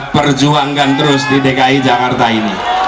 perjuangkan terus di dki jakarta ini